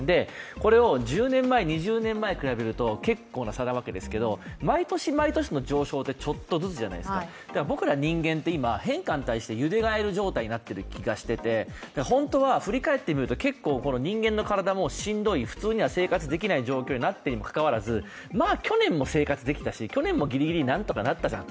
これを１０年前、２０年前と比べると結構な差なわけですけど、毎年毎年の上昇ってちょっとずつじゃないですか、僕ら人間って今変化に対してゆでがえる状態になっていて、振り返ってみると、人間の体もしんどい、普通に生活できない状況になっているにもかかわらず、まあ去年も生活できたし、去年もぎりぎりなんとかなったじゃん